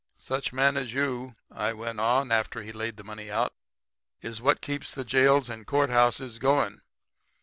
Such men as you,' I went on after he had laid the money out, 'is what keeps the jails and court houses going.